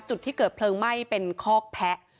จุดที่เกิดเพลิงไหม้เป็นคอกแพะ